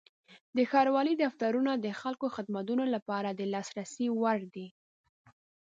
د ښاروالۍ دفترونه د خلکو خدمتونو لپاره د لاسرسي وړ دي.